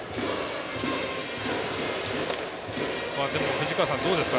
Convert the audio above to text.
藤川さん、どうですか。